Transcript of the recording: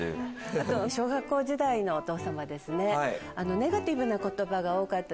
あと小学校時代のお父様。